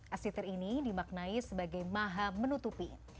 as sitir ini dimaknai sebagai maha menutupi